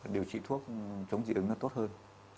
điều trị thuốc chống dị ứng nó tốt hơn